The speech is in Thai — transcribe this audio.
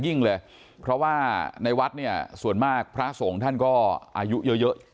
ยิ่งเลยเพราะว่าในวัดเนี่ยส่วนมากพระสงฆ์ท่านก็อายุเยอะเยอะ